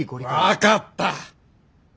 分かった。